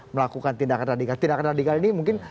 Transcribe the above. melakukan tindakan radikal tindakan radikal ini mungkin